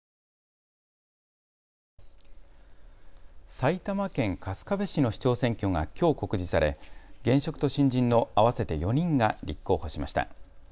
埼玉県春日部市の市長選挙がきょう告示され現職と新人の合わせて４人が立候補しました。